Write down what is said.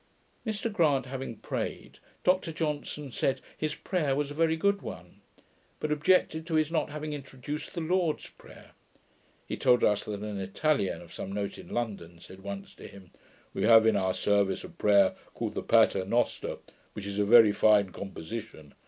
Mr Grant having prayed, Dr Johnson said, his prayer was a very good one; but objected to his not having introduced the Lord's Prayer. He told us, that an Italian of some note in London said once to him, 'We have in our service a prayer called the Pater Noster, which is a very fine composition.